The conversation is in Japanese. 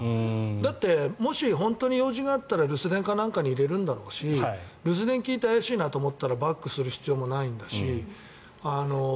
だって、もし本当に用事があったら留守電か何かに入れるんだろうし留守電を聞いて怪しいなと思ったらバックする必要もないんだし。